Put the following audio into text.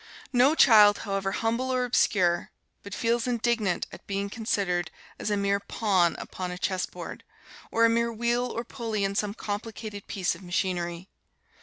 No child, however humble or obscure, but feels indignant at being considered as a mere pawn upon a chess board, or a mere wheel or pulley in some complicated piece of machinery.